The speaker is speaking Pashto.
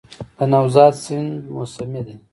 د نوزاد سیند موسمي دی